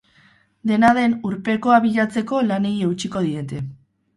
Dena den, urpekoa bilatzeko lanei eutsiko diete.